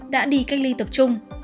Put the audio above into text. đã đi cách ly tập trung